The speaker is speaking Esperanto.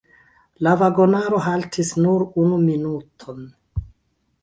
La vagonaro haltis nur unu minuton.